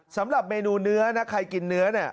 สำหรับเมนูเนื้อนะใครกินเนื้อเนี่ย